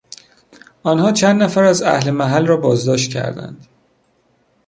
آنها چند نفر از اهل محل را بازداشت کردند.